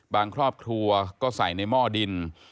ครอบครัวก็ใส่ในหม้อดิน